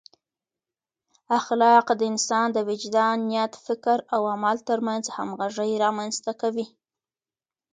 اخلاق د انسان د وجدان، نیت، فکر او عمل ترمنځ همغږۍ رامنځته کوي.